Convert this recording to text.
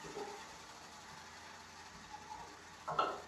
En España tiene blasón en Castilla, Boñar, Navarra y Galicia.